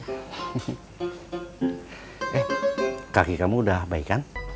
eh kaki kamu udah baikan